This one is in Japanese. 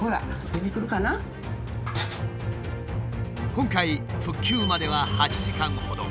今回復旧までは８時間ほど。